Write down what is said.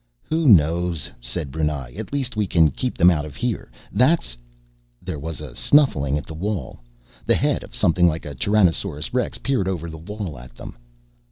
"Who knows?" said Brunei. "At least we can keep them out of here. That's " There was a snuffling at the wall. The head of something like a Tyrannosaurus Rex peered over the wall at them.